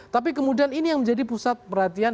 tapi kemudian ini yang menjadi pusat perhatian